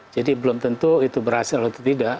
jadi belum tentu itu berhasil atau tidak